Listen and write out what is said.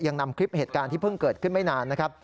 ยังนำคลิปเหตุการณ์ที่เพิ่งเกิดขึ้นไม่นานนะครับ